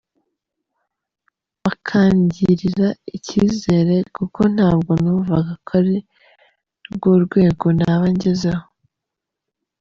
bakangirira icyizere kuko ntabwo numvaga ko ari rwo rwego naba ngezeho.